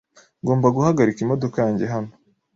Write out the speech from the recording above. Ngomba guhagarika imodoka yanjye hano .